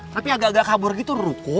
tapi agak agak kabur gitu ruko